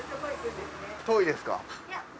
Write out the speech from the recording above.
遠いですか？